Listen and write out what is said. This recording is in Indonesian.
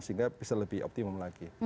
sehingga bisa lebih optimum lagi